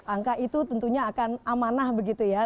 angka itu tentunya akan amanah begitu ya